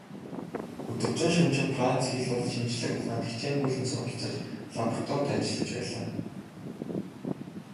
Өдөржин шөнөжин Франц хэл болон шинжлэх ухаанд хичээнгүйлэн суралцаж, лабораторид ажиллаж байлаа.